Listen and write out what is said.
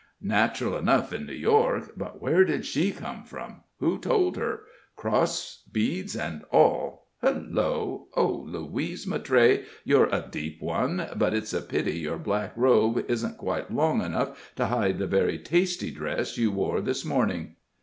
Natural enough in New York. But where did she come from? Who told her? Cross, beads, and all. Hello! Oh, Louise Mattray, you're a deep one; but it's a pity your black robe isn't quite long enough to hide the very tasty dress you wore this morning?